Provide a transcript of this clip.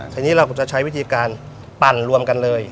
ทีนี้เราก็จะใช้วิธีการปั่นรวมกันเลย